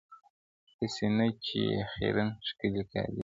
هسي نه چي یې خیرن ښکلي کالي سي -